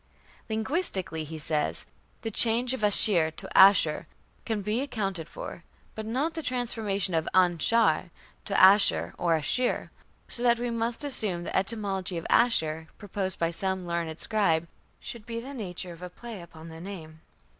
"Linguistically", he says, "the change of Ashir to Ashur can be accounted for, but not the transformation of An shar to Ashur or Ashir; so that we must assume the 'etymology' of Ashur, proposed by some learned scribe, to be the nature of a play upon the name."